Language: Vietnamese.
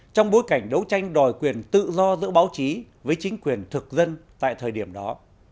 trong bối cảnh đấu tranh đòi quyền tự do giữa báo chí với chính quyền thực dân tại thời điểm đó